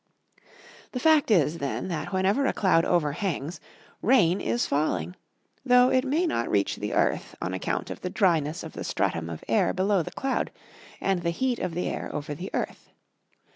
The fact is, then, that whenever a cloud overhangs, rain is falling, though it may not reach the earth on account of the dryness of the stratum of air below the cloud, and the heat of the air over the earth.